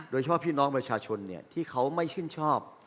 โดยเฉพาะพี่น้องประชาชนที่เขาไม่ชื่นชอบ